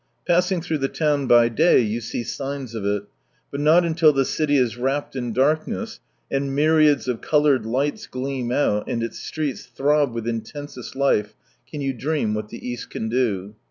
Passing through the town by day, you see signs of it ; but not until the city is wrapped in darkness, and myriads of coloured lights gleam out, and its streets throb with intensest life, can you dream what the East can do.